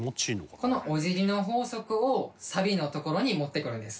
この「お辞儀の法則」をサビのところに持ってくるんです。